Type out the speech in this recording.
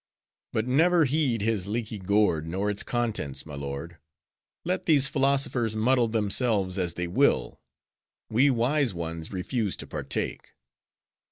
"But never heed his leaky gourd nor its contents, my lord. Let these philosophers muddle themselves as they will, we wise ones refuse to partake."